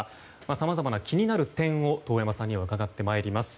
さまざまな気になる点を遠山さんには伺ってまいります。